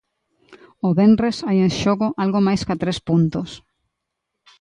O venres hai en xogo algo máis ca tres puntos.